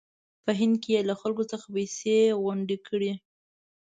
په هند کې یې له خلکو څخه پیسې غونډې کړې.